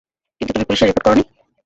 কিন্তু তুমি পুলিশে রিপোর্ট করেনি।